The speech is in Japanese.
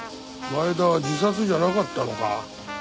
前田は自殺じゃなかったのか？